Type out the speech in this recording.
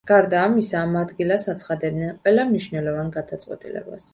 გარდა ამისა, ამ ადგილას აცხადებდნენ ყველა მნიშვნელოვან გადაწყვეტილებას.